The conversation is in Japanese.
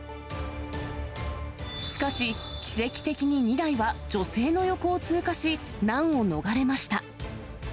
しかし、奇跡的に２台は女性の横を通過し、難を逃れました。